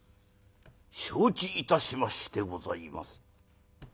承知いたしましてございます」。